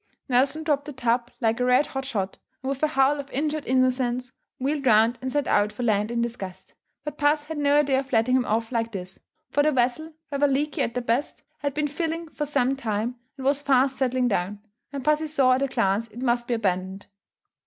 Nelson dropped the tub like a red hot shot; and with a howl of injured innocence, wheeled round and set out for land in disgust. But puss had no idea of letting him off like this; for the vessel, rather leaky at the best, had been filling for some time and was fast settling down; and pussy saw at a glance it must be abandoned.